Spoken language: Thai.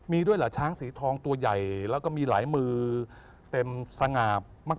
มีด้วยเหรอช้างสีทองตัวใหญ่แล้วก็มีหลายมือเต็มสง่ามาก